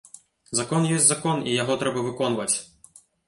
Закон ёсць закон, і яго трэба выконваць.